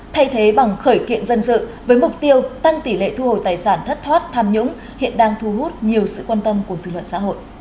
thay thế bằng khởi kiện dân sự với mục tiêu tăng tỷ lệ thu hồi tài sản thất thoát tham nhũng hiện đang thu hút nhiều sự quan tâm của dư luận xã hội